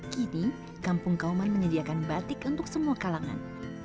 kini kampung kauman menyediakan batik untuk semua kalangan